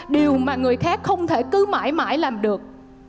điều mà người khác không thể cứ mãi mãi làm được